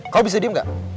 kau bisa diem gak